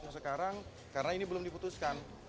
sekarang karena ini belum diputuskan